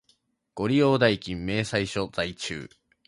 ご利用代金明細書在中